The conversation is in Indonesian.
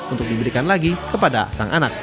untuk diberikan lagi kepada sang anak